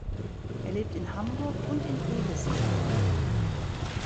Er lebt in Hamburg und in Egestorf.